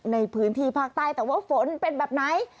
ในพื้นที่ภาคใต้แต่ว่าฝนเป็นแบบไหน